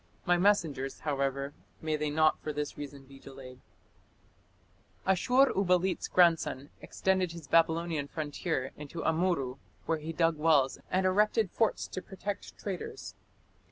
My messengers (however), may they not (for this reason) be delayed." Ashur uballit's grandson extended his Babylonian frontier into Amurru, where he dug wells and erected forts to protect traders.